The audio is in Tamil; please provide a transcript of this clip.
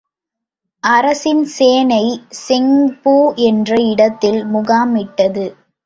அரசின் சேனை செங்பூ என்ற இடத்தில் முகாமிட்டது.